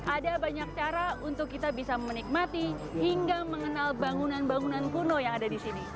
ada banyak cara untuk kita bisa menikmati hingga mengenal bangunan bangunan kuno yang ada di sini